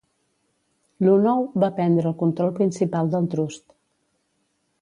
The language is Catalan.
Luhnow va prendre el control principal del trust.